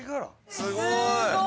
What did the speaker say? すごーい！